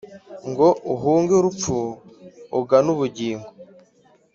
ngo uhunge urupfu ugane ubugingo